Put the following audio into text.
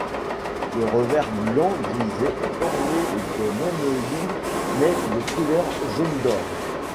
Le revers blanc grisé est orné des mêmes lignes mais de couleur jaune d'or.